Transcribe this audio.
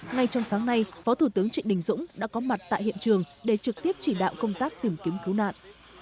ngay trong sáng nay phó thủ tướng trịnh đình dũng đã có mặt tại hiện trường để trực tiếp chỉ đạo công tác tìm kiếm cứu nạn